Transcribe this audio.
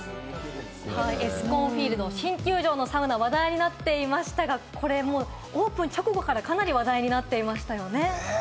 エスコンフィールド、新球場のサウナ話題になっていましたが、これオープン直後からかなり話題になっていましたよね。